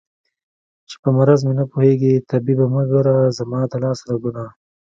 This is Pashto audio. چې په مرض مې نه پوهېږې طبيبه مه ګوره زما د لاس رګونه